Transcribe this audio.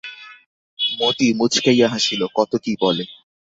মতি মুচকাইয়া হাসিল, কত কী বলে।